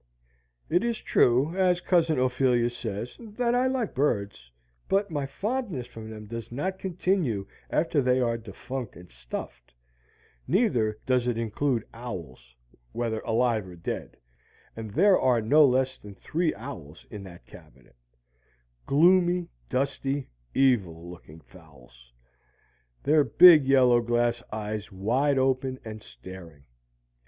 It is true, as Cousin Ophelia says, that I like birds; but my fondness for them does not continue after they are defunct and stuffed; neither does it include owls, whether alive or dead, and there are no less than three owls in that cabinet gloomy, dusty, evil looking fowls, their big yellow glass eyes wide open and staring.